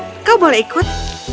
tentu saja kau boleh ikut